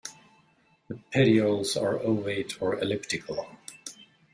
The petioles are ovate or elleptical.